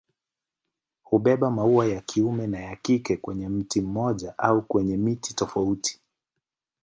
Hubeba maua ya kiume na ya kike kwenye mti mmoja au kwenye miti tofauti.